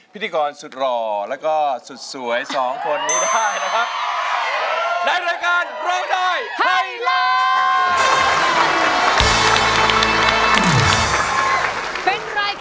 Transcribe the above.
พิธีกรสุดหล่อและก็สุดสวย